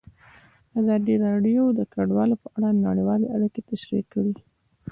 ازادي راډیو د کډوال په اړه نړیوالې اړیکې تشریح کړي.